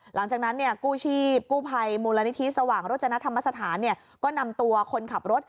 หลังจากนั้นกู้ชีพกู้ภัยมูลนิธิสว่างโรจนธรรมสถานก็นำตัวคนขับรถ